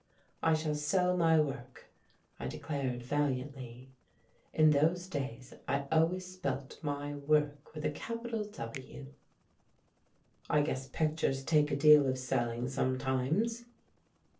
"I shall sell my Work," I declared valiantly. In those days I always spelt my work with a cap ital W. "I guess pictures take a deal of selling some times."